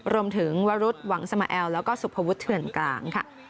รวมถึงวรุษหวังสมแอลแล้วก็สุภวุฒิเถื่อนกลางค่ะ